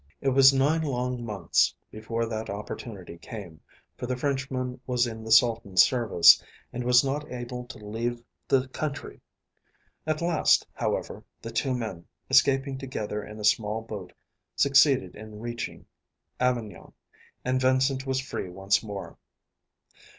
It was nine long months before that opportunity came, for the Frenchman was in the Sultan's service and was not able to leave the country. At last, however, the two men, escaping together in a small boat, succeeded in reaching Avignon, and Vincent was free once more.